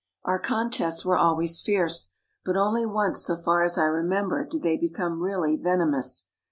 Our contests were always fierce, but only once so far as I remember did they become really venomous.